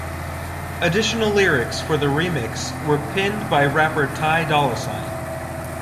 Additional lyrics for the remix were penned by rapper Ty Dolla Sign.